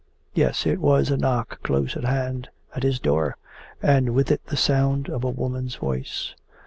Yes, it was a knock close at hand, at his door, and with it the sound of a woman's voice.